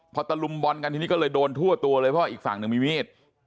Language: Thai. พอตะลุมบอลกันทีนี้ก็เลยโดนทั่วตัวเลยเพราะอีกฝั่งหนึ่งมีมีด